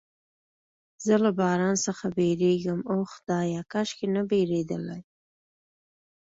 زه له باران څخه بیریږم، اوه خدایه، کاشکې نه بیریدلای.